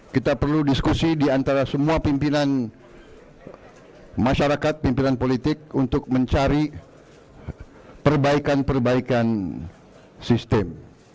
kita perlu diskusi diantara semua pimpinan masyarakat pimpinan politik untuk mencari perbaikan perbaikan sistem